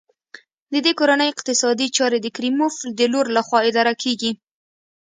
د دې کورنۍ اقتصادي چارې د کریموف د لور لخوا اداره کېږي.